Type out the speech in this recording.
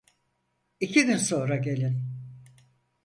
İki gün sonra gelin!